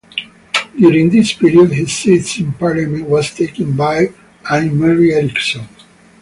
During this period his seat in parliament was taken by Ine Marie Eriksen.